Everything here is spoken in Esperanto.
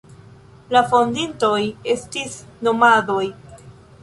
La fondintoj estis nomadoj.